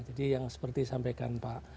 yang seperti sampaikan pak